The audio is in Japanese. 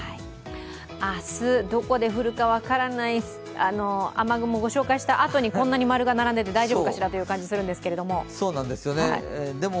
明日、どこで降るか分からない雨雲、御紹介したあとにこんなに○が並んでいて大丈夫かという感じがするんですけども。